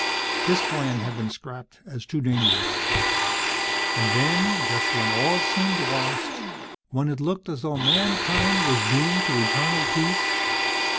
This plan had been scrapped as too dangerous. And then, just when all seemed lost, when it looked as though mankind was doomed to eternal peace